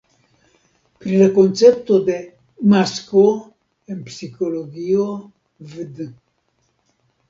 Pri la koncepto de "masko" en psikologio vd.